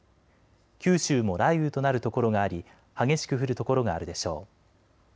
九州も雷雨となる所があり激しく降る所があるでしょう。